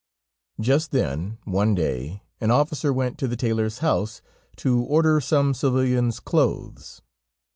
Just then, one day an officer went to the tailor's house, to order some civilian's clothes.